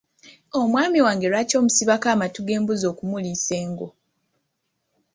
Omwami wange lwaki omusibako amatu g'embuzi okumuliisa engo?